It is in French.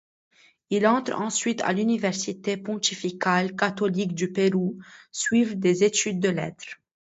Il entre ensuite à l'université pontificale catholique du Pérou, suivre des études de lettres.